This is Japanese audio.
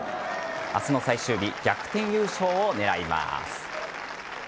明日の最終日逆転優勝を狙います。